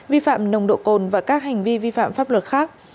vi phạm nồng độ cồn và các hành vi vi phạm pháp luật khác